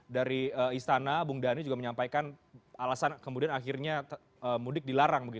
dari istana bung dhani juga menyampaikan alasan kemudian akhirnya mudik dilarang